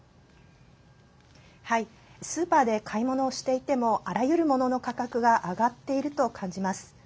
スーパーで買い物をしていてもあらゆるものの価格が上がっていると感じます。